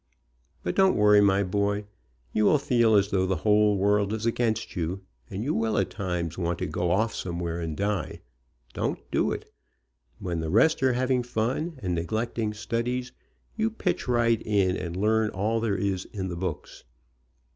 But don't worry, my boy. You will feel as though the whole world is against you, and you will at times want to go off somewhere and die. Don't do it. When the rest are having fun and neg lecting studies, you pitch right in and learn all there is in the books.